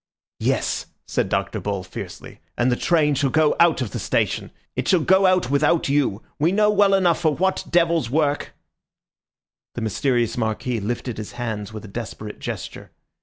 "Yes," said Dr. Bull fiercely, "and the train shall go out of the station. It shall go out without you. We know well enough for what devil's work—" The mysterious Marquis lifted his hands with a desperate gesture.